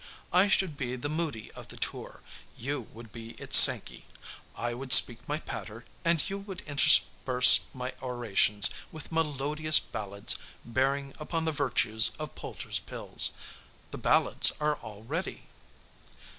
I should be the Moody of the tour; you would be its Sankey. I would speak my patter, and you would intersperse my orations with melodious ballads bearing upon the virtues of Poulter's Pills. The ballads are all ready!"